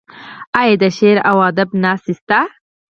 آیا د شعر او ادب ناستې شته؟